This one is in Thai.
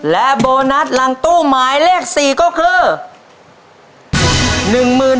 และโบนัสหลังตู้หมายเลข๔ก็คือ